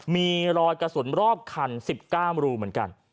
มีรอยกระสุนรอบคัน๑๙รูเหมือนกัน